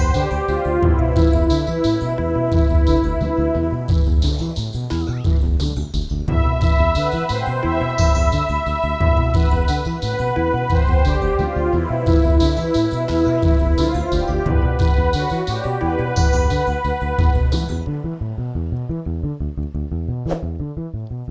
tidak ada yang pakai